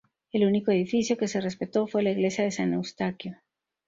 El único edificio que se respetó fue la iglesia de San Eustaquio.